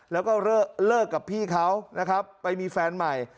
แล้วก็เลิกกับพี่เขานะครับไปมีแฟนใหม่